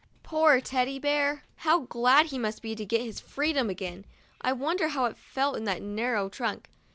Poor Teddy Bear, how glad he must be to get his freedom again ! I wonder how it felt in that narrow trunk.